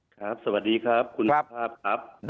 ครับสวัสดีครับคุณธนภาพครับ